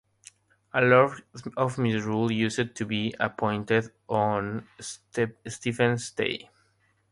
A Lord of Misrule used to be appointed on St. Stephen's Day.